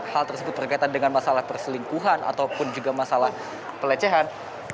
hal tersebut berkaitan dengan masalah perselingkuhan ataupun juga masalah pelecehan